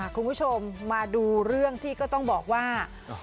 คุณผู้ชมมาดูเรื่องที่ก็ต้องบอกว่า